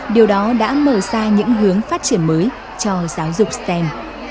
điều đó đã mở ra những hướng phát triển mới cho giáo dục stem